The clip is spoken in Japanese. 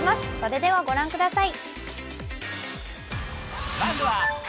それではご覧ください。